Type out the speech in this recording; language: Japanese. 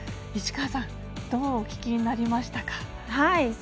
市川さんどうお聞きになりましたか？